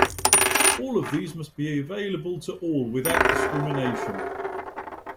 All of these must be available to all without discrimination.